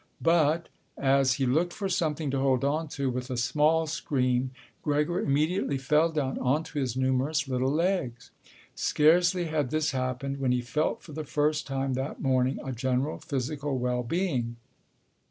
But as he looked for something to hold onto, with a small scream Gregor immediately fell down onto his numerous little legs. Scarcely had this happened, when he felt for the first time that morning a general physical well being.